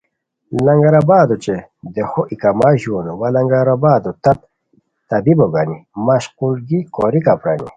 لنگر آباد اوچے دیہو ای کما ژون وا لنگر آبادو تت طبیبو گانی مشقولگی کوریکہ پرانی